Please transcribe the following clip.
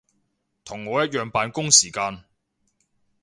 同我一樣扮工時間